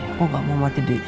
aku gak mau mati di